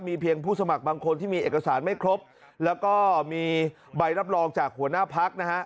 เพียงผู้สมัครบางคนที่มีเอกสารไม่ครบแล้วก็มีใบรับรองจากหัวหน้าพักนะฮะ